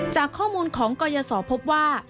จากข้อมูลของกรยศพบว่า